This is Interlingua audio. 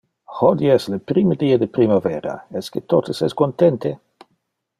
Hodie es le prime die de primavera, esque totes es contente?